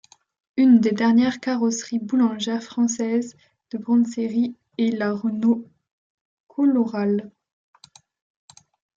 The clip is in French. Une des dernières carrosseries boulangères françaises de grande série est la Renault Colorale.